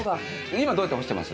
今どうやって干してます？